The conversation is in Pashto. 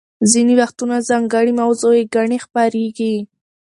ځینې وختونه ځانګړې موضوعي ګڼې خپریږي.